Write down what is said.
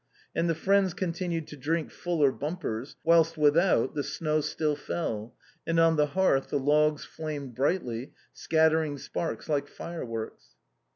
And the friends continued to drink fuller bumpers, whilst without the snow still fell, and on the hearth the logs flamed brightly, scattering sparks like fireworks.